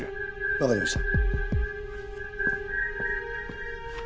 わかりました。